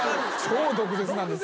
超毒舌なんです。